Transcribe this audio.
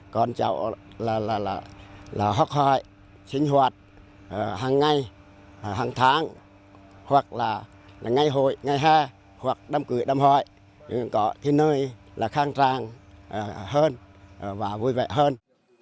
còn cháu là học hỏi sinh hoạt hàng ngày hàng tháng hoặc là ngày hội ngày hai hoặc đâm cười đâm hỏi có cái nơi là khang tràng hơn và vui vẻ hơn